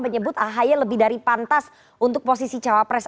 menyebut ahy lebih dari pantas untuk posisi cawapres